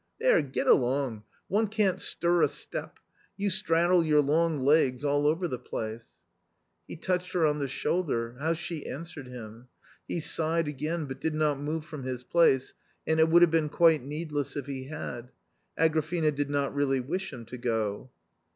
There — get along, one can't stir a step ; you straddle your long legs all over the place !" He touched her on the shoulder ; how she answered him ! He sighed again, but did not move from his place, and it would have been quite needless if he had ; Agrafena did not really wish him to go.